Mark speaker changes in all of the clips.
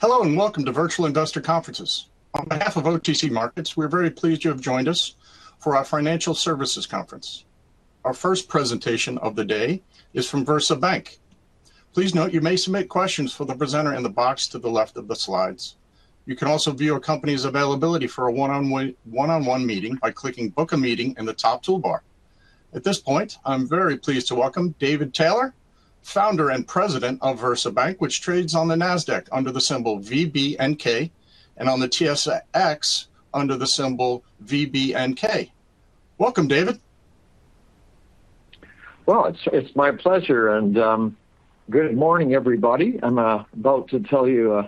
Speaker 1: Hello and welcome to Virtual Industry Conferences. On behalf of OTC Markets, we are very pleased you have joined us for our Financial Services Conference. Our first presentation of the day is from VersaBank. Please note you may submit questions for the presenter in the box to the left of the slides. You can also view a company's availability for a 1-on-1 meeting by clicking "Book a Meeting" in the top toolbar. At this point, I'm very pleased to welcome David Taylor, Founder and President of VersaBank, which trades on the NASDAQ under the symbol VBNK and on the TSX under the symbol VBNK. Welcome, David.
Speaker 2: It's my pleasure, and good morning, everybody. I'm about to tell you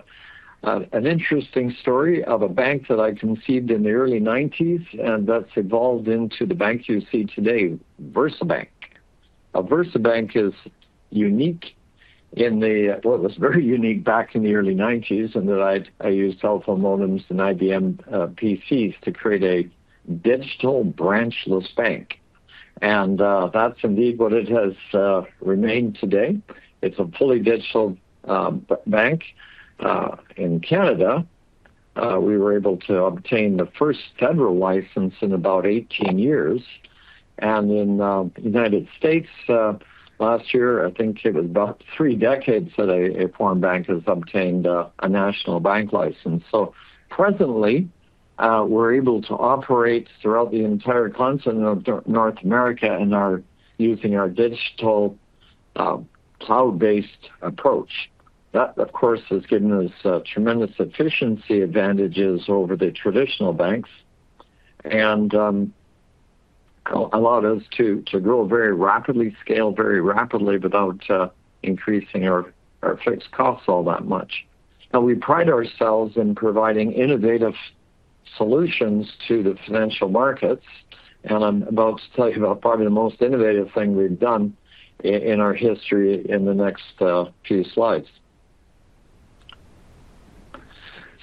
Speaker 2: an interesting story of a bank that I conceived in the early 1990s and that's evolved into the bank you see today, VersaBank. VersaBank is unique in the, it was very unique back in the early 1990s in that I used telephone modems and IBM PCs to create a digital branchless bank. That's indeed what it has remained today. It's a fully digital bank. In Canada, we were able to obtain the first federal license in about 18 years. In the United States, last year, I think it was about three decades that a foreign bank has obtained a national bank license. Presently, we're able to operate throughout the entire continent of North America and are using our digital cloud-based approach. That, of course, has given us tremendous efficiency advantages over the traditional banks and allowed us to grow very rapidly, scale very rapidly without increasing our fixed costs all that much. We pride ourselves in providing innovative solutions to the financial markets, and I'm about to tell you about probably the most innovative thing we've done in our history in the next few slides.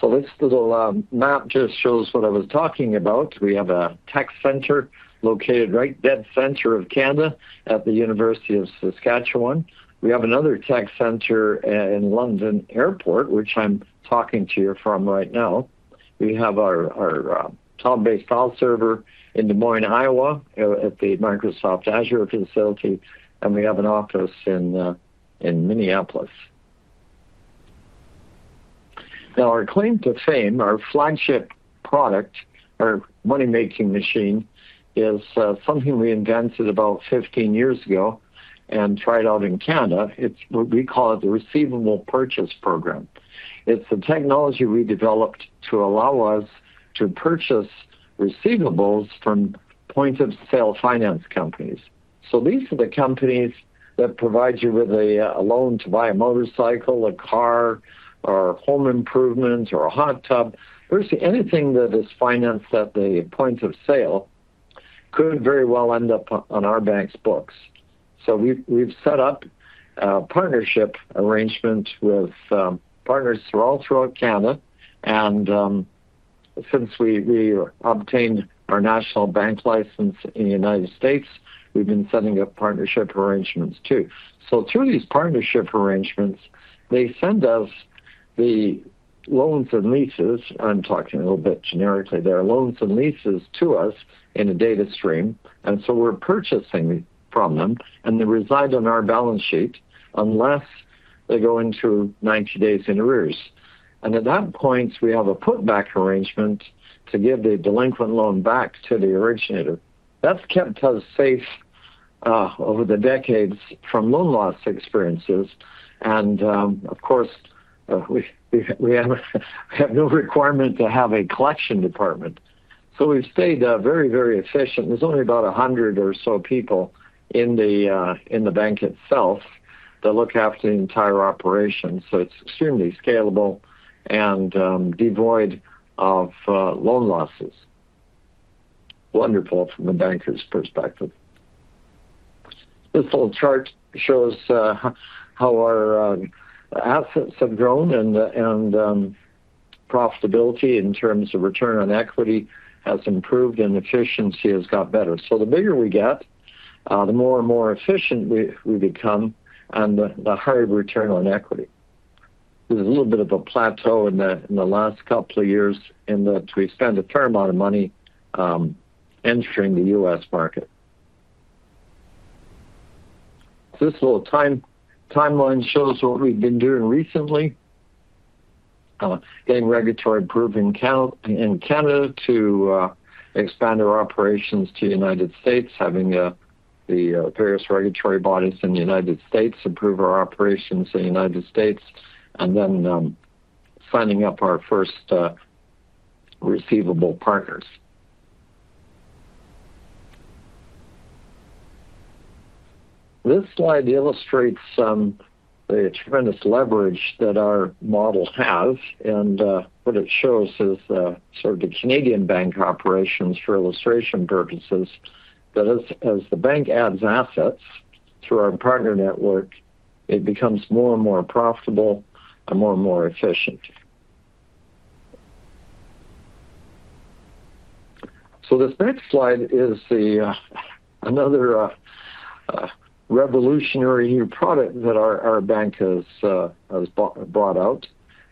Speaker 2: This little map just shows what I was talking about. We have a tech center located right dead center of Canada at the University of Saskatchewan. We have another tech center in London Airport, which I'm talking to you from right now. We have our cloud-based file server in Des Moines, Iowa, at the Microsoft Azure facility, and we have an office in Minneapolis. Our claim to fame, our flagship product, our money-making machine, is something we invented about 15 years ago and tried out in Canada. We call it the Receivable Purchase Program. It's the technology we developed to allow us to purchase receivables from point-of-sale finance companies. These are the companies that provide you with a loan to buy a motorcycle, a car, or home improvements, or a hot tub. Virtually anything that is financed at the point of sale could very well end up on our bank's books. We've set up a partnership arrangement with partners all throughout Canada, and since we obtained our national bank license in the United States, we've been setting up partnership arrangements too. Through these partnership arrangements, they send us the loans and leases. I'm talking a little bit generically there, loans and leases to us in a data stream, and so we're purchasing from them, and they reside on our balance sheet unless they go into 90 days in arrears. At that point, we have a put-back arrangement to give the delinquent loan back to the originator. That's kept us safe over the decades from loan loss experiences. Of course, we have no requirement to have a collection department. We've stayed very, very efficient. There's only about 100 or so people in the bank itself that look after the entire operation. It's extremely scalable and devoid of loan losses. Wonderful from the banker's perspective. This little chart shows how our assets have grown and profitability in terms of return on equity has improved and efficiency has got better. The bigger we get, the more and more efficient we become, and the higher return on equity. There's a little bit of a plateau in the last couple of years in that we spend a fair amount of money entering the U.S. market. This whole timeline shows what we've been doing recently. Getting regulatory approved in Canada to expand our operations to the United States, having the various regulatory bodies in the United States approve our operations in the United States, and then signing up our first receivable partners. This slide illustrates the tremendous leverage that our model has, and what it shows is sort of the Canadian bank operations for illustration purposes. As the bank adds assets through our partner network, it becomes more and more profitable and more and more efficient. This next slide is another revolutionary new product that our bank has brought out.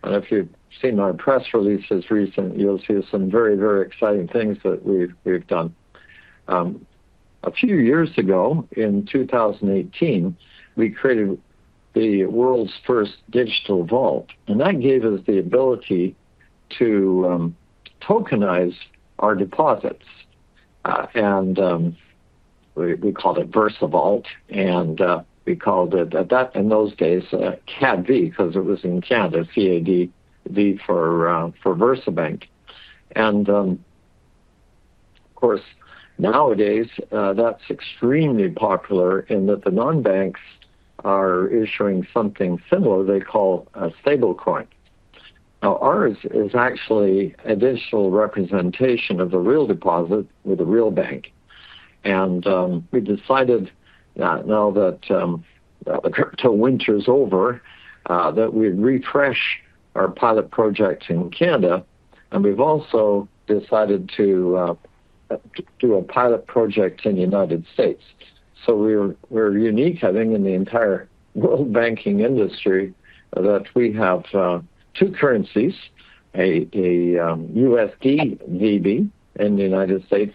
Speaker 2: If you've seen our press releases recently, you'll see some very, very exciting things that we've done. A few years ago, in 2018, we created the world's first digital vault, and that gave us the ability to tokenize our deposits. We called it VersaVault, and we called it in those days CAD VB because it was in Canada, C-A-D V B for VersaBank. Nowadays that's extremely popular in that the non-banks are issuing something similar they call a stablecoin. Ours is actually an additional representation of the real deposit with a real bank. We decided now that the winter's over, that we'd refresh our pilot project in Canada, and we've also decided to do a pilot project in the United States. We're unique in the entire world banking industry in that we have two currencies, a USD VB in the United States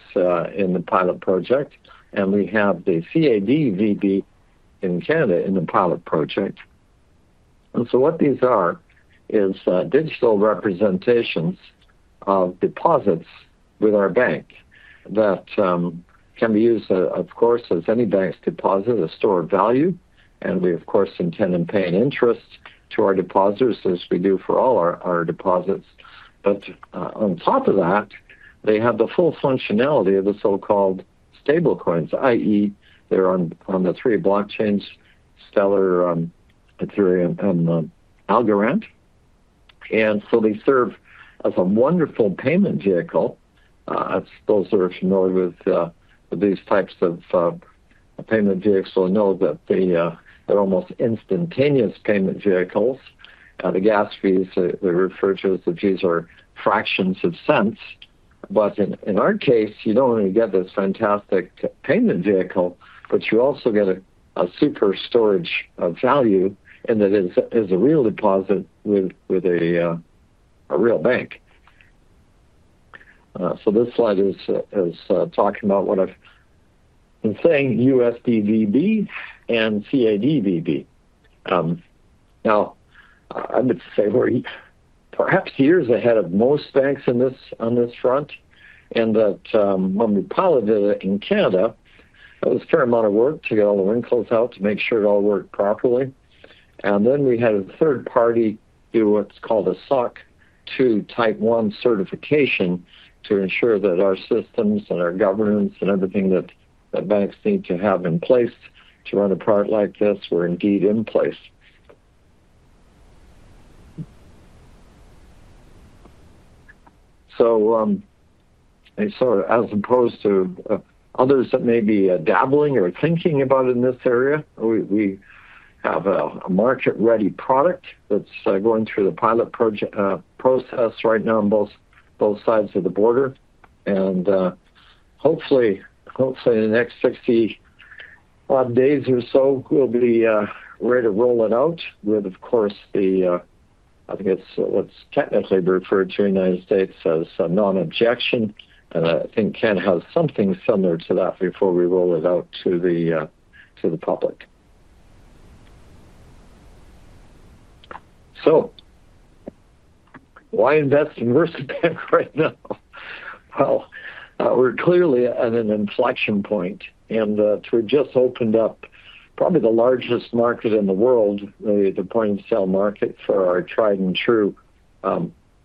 Speaker 2: in the pilot project, and we have the CAD VB in Canada in the pilot project. What these are is digital representations of deposits with our bank that can be used, of course, as any bank's deposit, a stored value. We, of course, intend on paying interest to our deposits, as we do for all our deposits. On top of that, they have the full functionality of the so-called stablecoins, i.e., they're on the three blockchains: Stellar, Ethereum, and Algorand. They serve as a wonderful payment vehicle. I suppose if you're familiar with these types of payment vehicles, you know that they're almost instantaneous payment vehicles. The gas fees that they refer to as the fees are fractions of a cent. In our case, you don't only get this fantastic payment vehicle, but you also get a super storage value in that it is a real deposit with a real bank. This slide is talking about what I've been saying, USD VB and CAD VB. I would say we're perhaps years ahead of most banks on this front in that when we piloted it in Canada, it was a fair amount of work to get all the wrinkles out, to make sure it all worked properly. We had a third party do what's called a SOC 2 Type 1 certification to ensure that our systems and our governance and everything that banks need to have in place to run a product like this were indeed in place. As opposed to others that may be dabbling or thinking about it in this area, we have a market-ready product that's going through the pilot process right now on both sides of the border. Hopefully, in the next 60-odd days or so, we'll be ready to roll it out with, of course, what I think is what's technically referred to in the United States as non-objection. I think Canada has something similar to that before we roll it out to the public. Why invest in VersaBank right now? We're clearly at an inflection point, and we've just opened up probably the largest market in the world, the point-of-sale market for our tried and true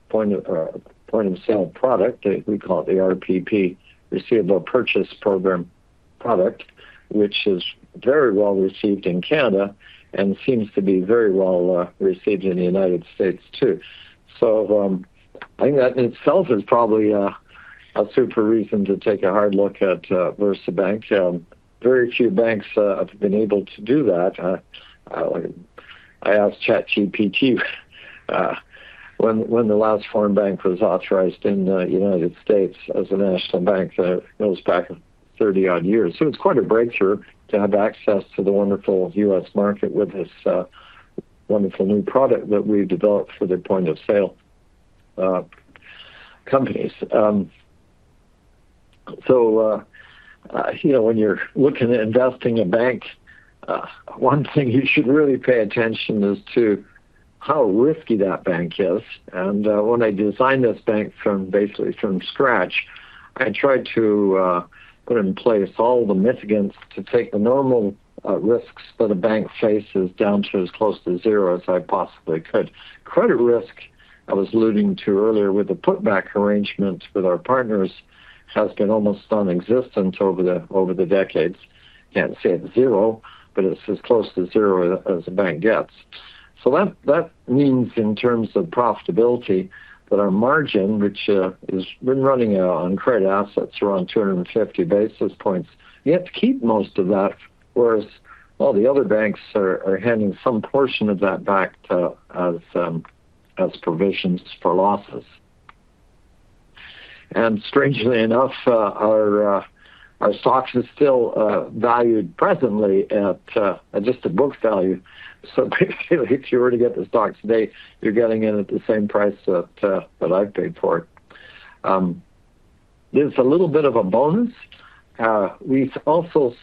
Speaker 2: point-of-sale product. We call it the RPP, Receivable Purchase Program product, which is very well received in Canada and seems to be very well received in the United States too. I think that in itself is probably a super reason to take a hard look at VersaBank. Very few banks have been able to do that. I asked ChatGPT when the last foreign bank was authorized in the U.S. as an Ashton Bank that goes back 30-odd years. It's quite a breakthrough to have access to the wonderful U.S. market with this wonderful new product that we've developed for the point-of-sale finance companies. When you're looking at investing in a bank, one thing you should really pay attention to is how risky that bank is. When I designed this bank basically from scratch, I tried to put in place all the mitigants to take the normal risks that a bank faces down to as close to zero as I possibly could. Credit risk I was alluding to earlier with the put-back arrangement with our partners has been almost nonexistent over the decades. You can't say it's zero, but it's as close to zero as a bank gets. That means in terms of profitability that our margin, which has been running on credit assets around 250 basis points, you have to keep most of that, whereas all the other banks are handing some portion of that back as provisions for losses. Strangely enough, our stocks are still valued presently at just a book value. Basically, if you were to get the stock today, you're getting it at the same price that I've paid for it. There's a little bit of a bonus. We also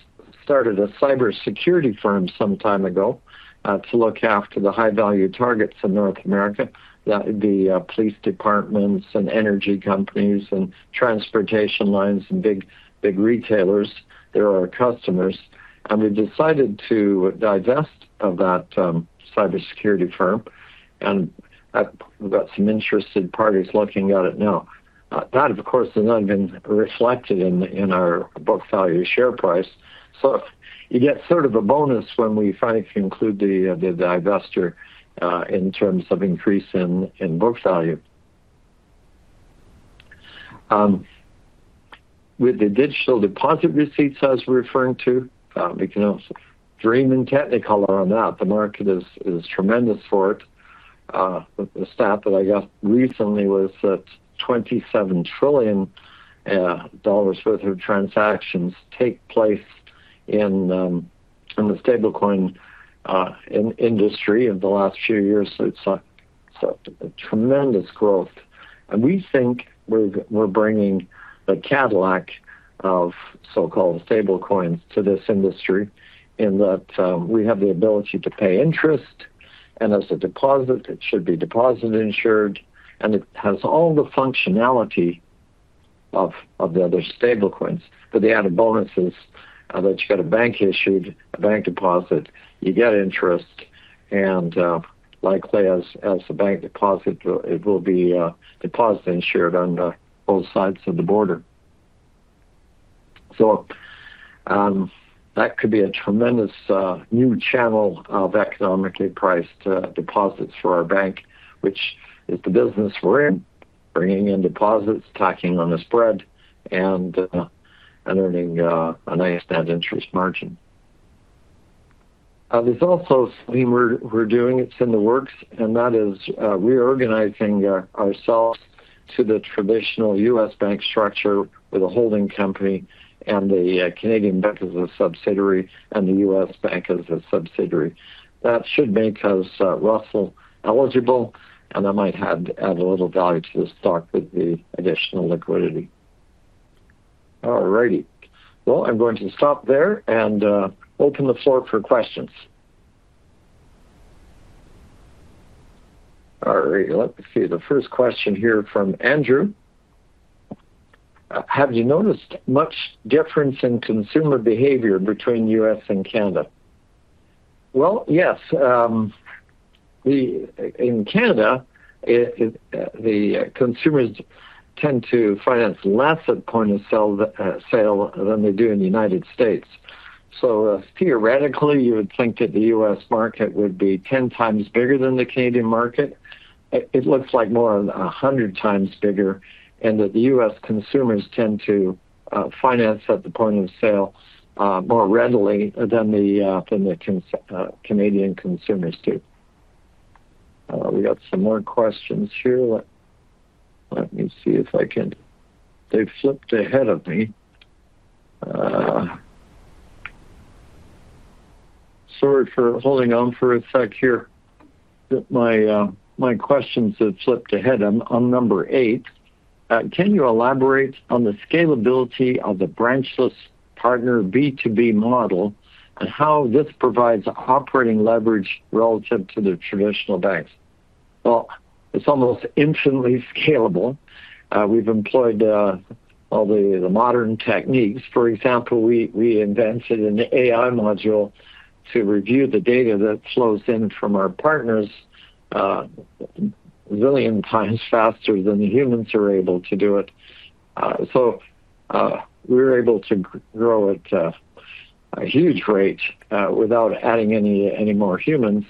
Speaker 2: started a cybersecurity firm some time ago to look after the high-value targets in North America. That would be police departments and energy companies and transportation lines and big retailers that are our customers. We decided to divest of that cybersecurity firm, and I've got some interested parties looking at it now. That, of course, has not been reflected in our book value share price. You get sort of a bonus when we finally conclude the divesture in terms of increase in book value. With the digital deposit receipts I was referring to, we can also dream and technically call it on that. The market is tremendous for it. The stat that I got recently was that $27 trillion worth of transactions take place in the stablecoin industry in the last few years. It's a tremendous growth. We think we're bringing the Cadillac of so-called stablecoins to this industry in that we have the ability to pay interest, and as a deposit, it should be deposit-insured, and it has all the functionality of the other stablecoins. The added bonus is that you get a bank-issued bank deposit, you get interest, and likely as the bank deposit, it will be deposit-insured on both sides of the border. That could be a tremendous new channel of economically priced deposits for our bank, which is the business we're in, bringing in deposits, tacking on a spread, and earning a nice net interest margin. There's also something we're doing that's in the works, and that is reorganizing ourselves to the traditional U.S. bank structure with a holding company and the Canadian bank as a subsidiary and the U.S. bank as a subsidiary. That should make us Rothschild eligible, and that might add a little value to the stock with the additional liquidity. I'm going to stop there and open the floor for questions. Let's see. The first question here from Andrew. Have you noticed much difference in consumer behavior between the U.S. and Canada? Yes. In Canada, the consumers tend to finance less at point-of-sale than they do in the United States. Theoretically, you would think that the U.S. market would be 10 times bigger than the Canadian market. It looks like more than 100 times bigger, and the U.S. consumers tend to finance at the point-of-sale more readily than the Canadian consumers do. We got some more questions here. Let me see if I can... They've flipped ahead of me. Sorry for holding on for a sec here. My questions have flipped ahead. I'm on number eight. Can you elaborate on the scalability of the branchless partner B2B model and how this provides operating leverage relative to the traditional banks? It's almost infinitely scalable. We've employed all the modern techniques. For example, we invented an AI module to review the data that flows in from our partners a zillion times faster than the humans are able to do it. We're able to grow at a huge rate without adding any more humans.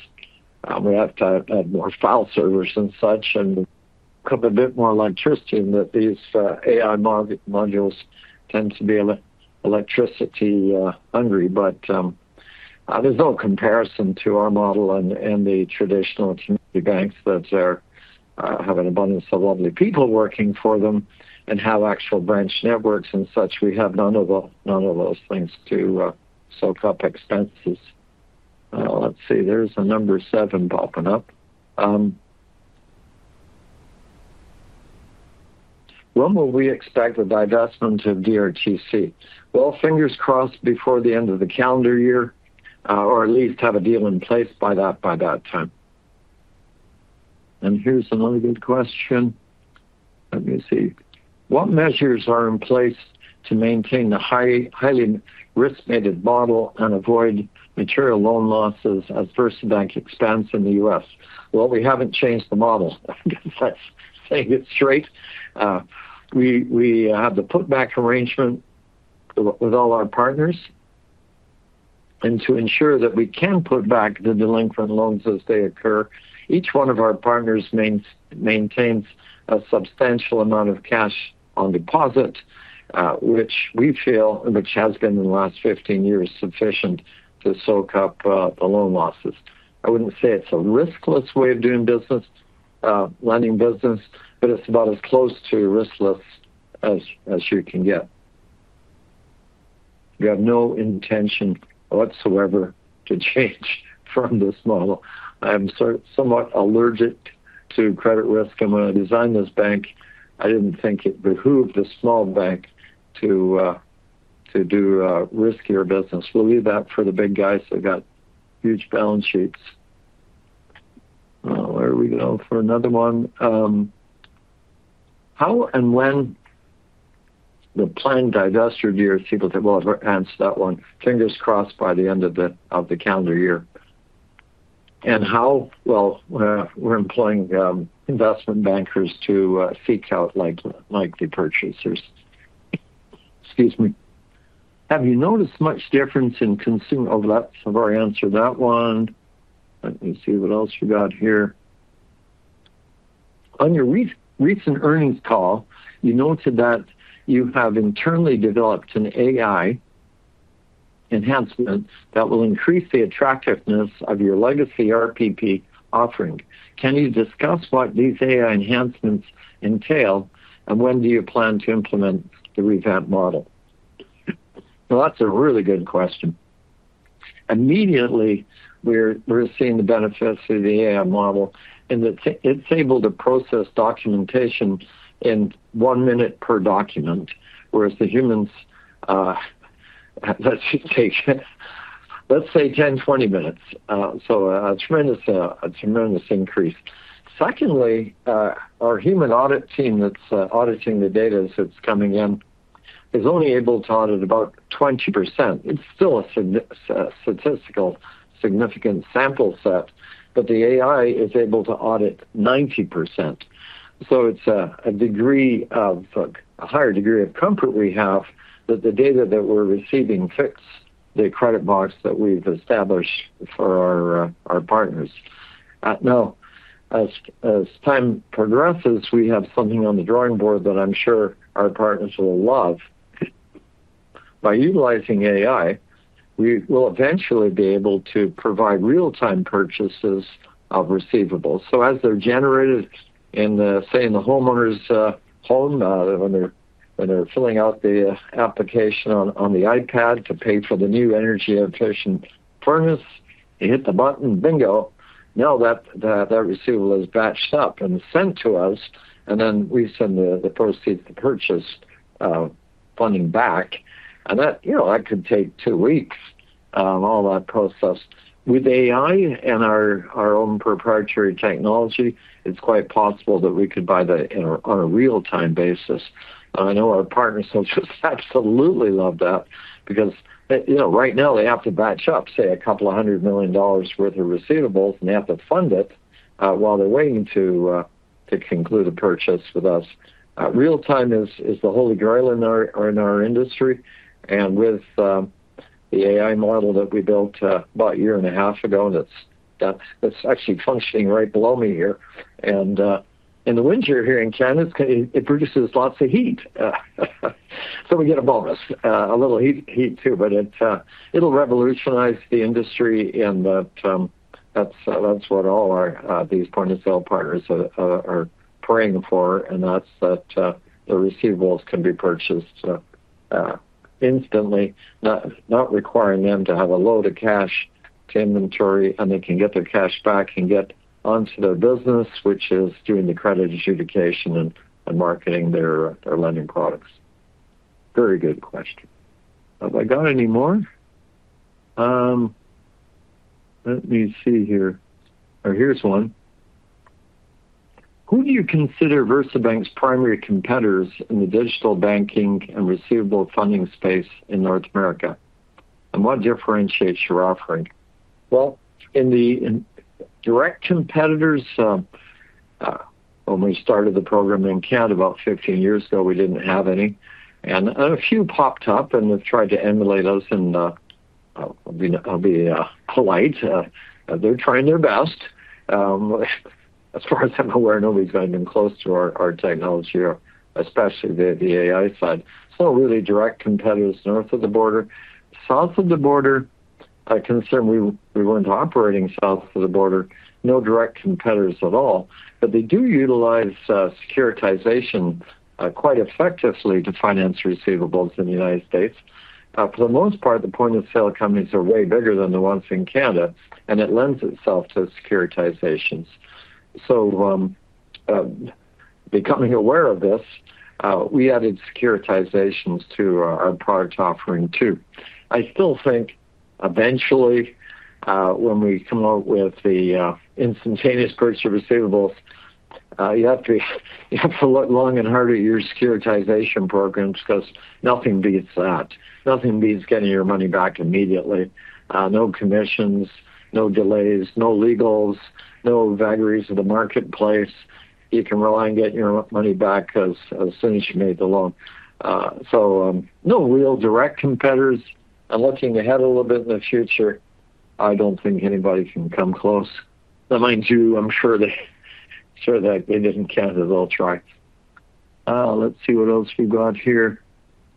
Speaker 2: We have to add more file servers and such and cook a bit more electricity in that these AI modules tend to be electricity hungry. There's no comparison to our model and the traditional community banks that have an abundance of lovely people working for them and have actual branch networks and such. We have none of those things to soak up expenses. There's a number seven popping up. When will we expect a divestment of DRT Cyber Inc.? Fingers crossed before the end of the calendar year, or at least have a deal in place by that time. Here's another good question. Let me see. What measures are in place to maintain the highly risk-weighted model and avoid material loan losses at first bank expense in the U.S.? We haven't changed the model. I'm going to say it straight. We have the put-back arrangement with all our partners. To ensure that we can put back the delinquent loans as they occur, each one of our partners maintains a substantial amount of cash on deposit, which we feel, which has been in the last 15 years, sufficient to soak up the loan losses. I wouldn't say it's a riskless way of doing business, lending business, but it's about as close to riskless as you can get. We have no intention whatsoever to change from this model. I am somewhat allergic to credit risk, and when I designed this bank, I didn't think it behooved a small bank to do riskier business. We'll leave that for the big guys that got huge balance sheets. Where are we going for another one? How and when the planned divestiture years, people say, it hurts that one. Fingers crossed by the end of the calendar year. How, we're employing investment bankers to seek out likely purchasers. Excuse me. Have you noticed much difference in consumer overlap? Sorry, answer that one. Let me see what else you got here. On your recent earnings call, you noted that you have internally developed an AI enhancement that will increase the attractiveness of your legacy Receivable Purchase Program offering. Can you discuss what these AI enhancements entail, and when do you plan to implement the revamped model? That's a really good question. Immediately, we're seeing the benefits of the AI model in that it's able to process documentation in one minute per document, whereas the humans, let's just take, let's say, 10, 20 minutes. A tremendous increase. Secondly, our human audit team that's auditing the data that's coming in is only able to audit about 20%. It's still a statistically significant sample set, but the AI is able to audit 90%. It's a higher degree of comfort we have that the data that we're receiving fits the credit box that we've established for our partners. As time progresses, we have something on the drawing board that I'm sure our partners will love. By utilizing AI, we will eventually be able to provide real-time purchases of receivables. As they're generated in, say, in the homeowner's home, when they're filling out the application on the iPad to pay for the new energy-efficient furnace, they hit the button, bingo, now that receivable is batched up and sent to us, and then we send the proceeds to purchase funding back. That could take two weeks, all that process. With AI and our own proprietary technology, it's quite possible that we could buy that on a real-time basis. I know our partners have absolutely loved that because right now they have to batch up, say, a couple of hundred million dollars' worth of receivables, and they have to fund it while they're waiting to conclude a purchase with us. Real-time is the holy grail in our industry. With the AI model that we built about a year and a half ago, that's actually functioning right below me here. In the winter here in Canada, it produces lots of heat. We get a bonus, a little heat too, but it'll revolutionize the industry in that that's what all these point-of-sale partners are praying for, and that's that the receivables can be purchased instantly, not requiring them to have a load of cash to inventory, and they can get their cash back and get onto their business, which is doing the credit adjudication and marketing their lending products. Very good question. Have I got any more? Let me see here. Here's one. Who do you consider VersaBank's primary competitors in the digital banking and receivable funding space in North America, and what differentiates your offering? In the direct competitors, when we started the program in Canada about 15 years ago, we didn't have any. A few popped up and have tried to emulate us, and I'll be polite. They're trying their best. As far as I'm aware, nobody's gotten close to our technology, especially the AI side. Really, direct competitors north of the border. South of the border, I can assume we weren't operating south of the border. No direct competitors at all. They do utilize securitization quite effectively to finance receivables in the United States. For the most part, the point-of-sale companies are way bigger than the ones in Canada, and it lends itself to securitizations. Becoming aware of this, we added securitizations to our product offering too. I still think eventually, when we come out with the instantaneous purchase of receivables, you have to look long and hard at your securitization programs because nothing beats that. Nothing beats getting your money back immediately. No commissions, no delays, no legals, no vagaries of the marketplace. You can rely on getting your money back as soon as you made the loan. No real direct competitors. Looking ahead a little bit in the future, I don't think anybody can come close. Now, mind you, I'm sure that in Canada they'll try. Let's see what else we've got here.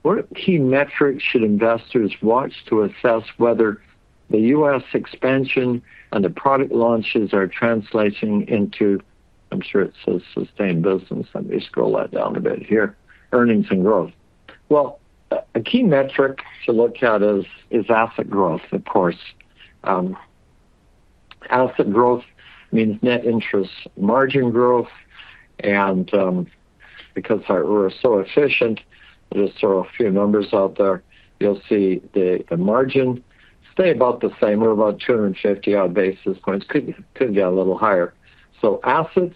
Speaker 2: What key metrics should investors watch to assess whether the U.S. expansion and the product launches are translating into, I'm sure it says sustained business. Let me scroll that down a bit here. Earnings and growth. A key metric to look at is asset growth, of course. Asset growth means net interest margin growth. Because we're so efficient, I'll just throw a few numbers out there. You'll see the margin stay about the same. We're about 250-odd basis points. It could get a little higher. Assets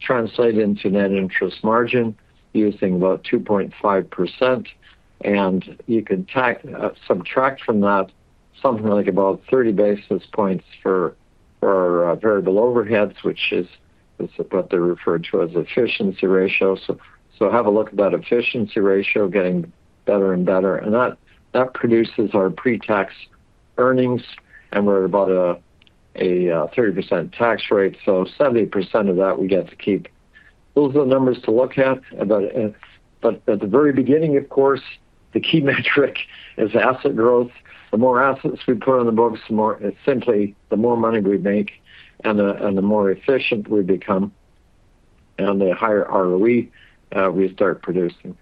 Speaker 2: translate into net interest margin using about 2.5%. You can subtract from that something like about 30 basis points for our variable overheads, which is what they're referring to as efficiency ratios. Have a look at that efficiency ratio getting better and better. That produces our pre-tax earnings, and we're at about a 30% tax rate. 70% of that we get to keep. Those are the numbers to look at. At the very beginning, of course, the key metric is asset growth. The more assets we put on the books, the more simply the more money we make and the more efficient we become. The higher ROE we start producing.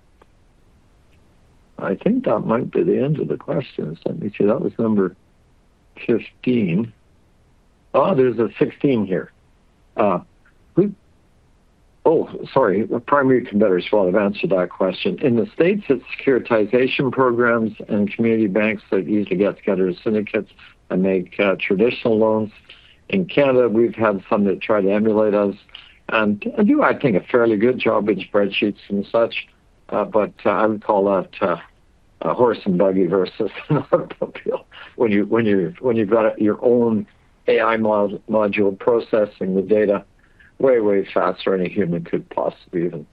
Speaker 2: I think that might be the end of the questions. Let me see. That was number 15. Oh, there's a 16 here. Oh, sorry. Primary competitors, while I've answered that question. In the States, it's securitization programs and community banks like easy-to-get together syndicates that make traditional loans. In Canada, we've had some that try to emulate us and do, I think, a fairly good job with spreadsheets and such. I would call that a horse and buggy versus an autopropel when you've got your own AI module processing the data way, way faster than a human could possibly even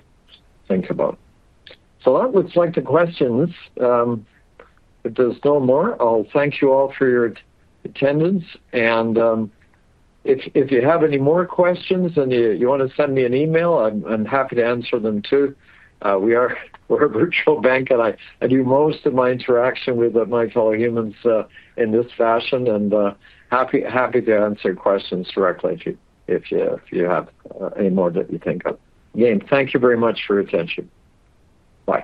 Speaker 2: think about. That looks like the questions. If there's no more, I'll thank you all for your attendance. If you have any more questions and you want to send me an email, I'm happy to answer them too. We are a virtual bank, and I do most of my interaction with my fellow humans in this fashion and happy to answer questions directly if you have any more that you think of. Again, thank you very much for your attention. Bye.